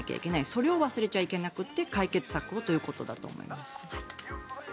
それを忘れちゃいけなくて解決策をということだと思います。